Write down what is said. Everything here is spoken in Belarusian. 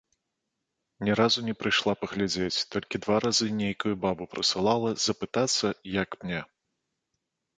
Ні разу не прыйшла паглядзець, толькі два разы нейкую бабу прысылала запытацца, як мне.